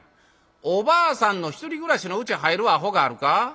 おばあさんのひとり暮らしのうち入るアホがあるか？」。